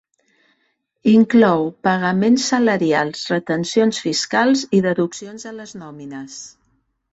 Inclou pagaments salarials, retencions fiscals i deduccions a les nòmines.